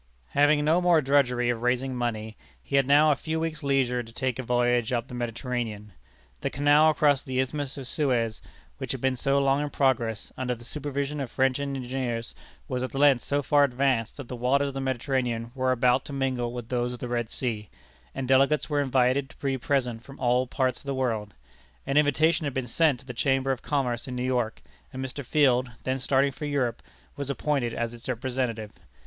Having no more drudgery of raising money, he had now a few weeks' leisure to take a voyage up the Mediterranean. The canal across the Isthmus of Suez, which had been so long in progress, under the supervision of French engineers, was at length so far advanced that the waters of the Mediterranean were about to mingle with those of the Red Sea, and delegates were invited to be present from all parts of the world. An invitation had been sent to the Chamber of Commerce in New York, and Mr. Field, then starting for Europe, was appointed as its representative.